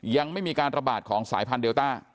ยังไม่มีการระบาดของสายพันธุเดลต้า